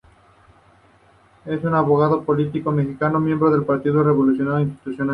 Es un abogado y político mexicano miembro del Partido Revolucionario Institucional.